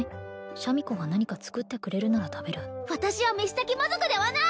シャミ子が何か作ってくれるなら食べる私は飯炊き魔族ではない！